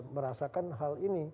merasakan hal ini